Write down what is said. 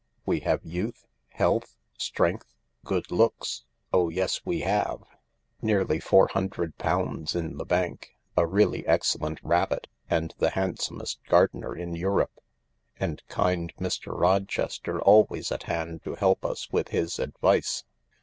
We have youth, health, strength, good looks — oh yes, we have — nearly four hundred pounds in the bank, a really excellent rabbit, and the handsomest gardener in Europe." " And kind Mr. Rochester always at hand to help us with his advice.